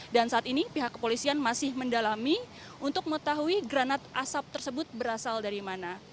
dan saat ini pihak kepolisian masih mendalami untuk mengetahui granat asap tersebut berasal dari mana